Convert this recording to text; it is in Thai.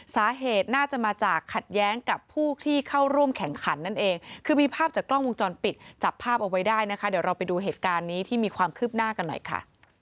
สาเหตุน่าจะมาจากขัดแย้งกับผู้ที่เข้าร่วมแข่งขันนั่นเองคือมีภาพจากกล้องวงจรปิดจับภาพเอาไว้ได้นะคะเดี๋ยวเราไปดูเหตุการณ์นี้ที่มีความคืบหน้ากันหน่อยค่ะ